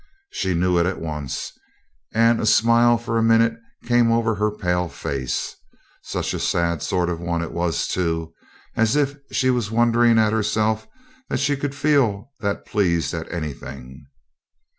She knew it at once, and a smile for a minute came over her pale face; such a sad sort of one it was too, as if she was wondering at herself that she could feel that pleased at anything.